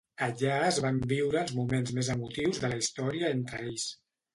Allà es van viure els moments més emotius de la història entre ells.